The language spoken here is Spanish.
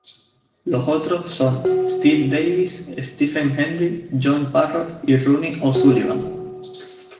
Los otros son: Steve Davis, Stephen Hendry, John Parrott y Ronnie O'Sullivan.